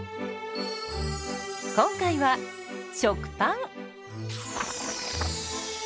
今回は食パン。